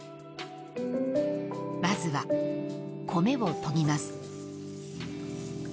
まずは米をとぎます。